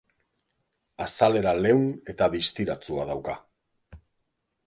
Azalera leun eta distiratsua dauka.